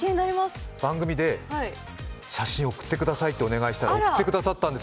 番組で写真を送ってくださいとお願いしたら送ってくださったんです。